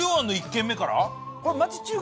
１軒目から。